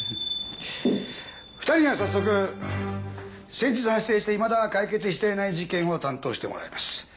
２人には早速先日発生していまだ解決していない事件を担当してもらいます。